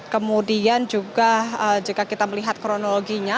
kemudian juga jika kita melihat kronologinya